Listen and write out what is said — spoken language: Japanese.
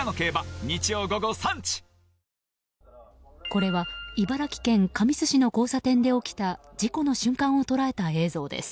これは茨城県神栖市の交差点で起きた事故の瞬間を捉えた映像です。